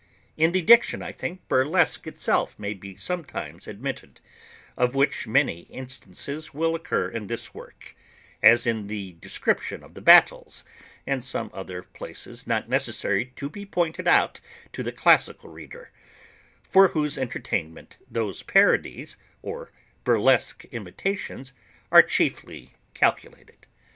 In the diction, I think, burlesque itself may be sometimes admitted; of which many instances will occur in this work, as in the description of the battles, and some other places, not necessary to be pointed out to the classical reader, for whose entertainment those parodies or burlesque imitations are chiefly calculated.